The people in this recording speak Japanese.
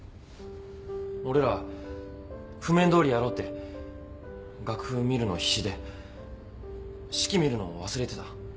俺ら譜面どおりやろうって楽譜見るの必死で指揮見るの忘れてた。